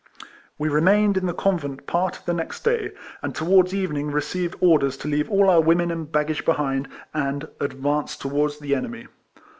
We remained in the convent part of the next day, and towards evening received orders to leave all our women and baggage behind, and advance towards the enemy.